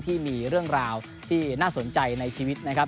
ที่มีเรื่องราวที่น่าสนใจในชีวิตนะครับ